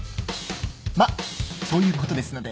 まっそういうことですので。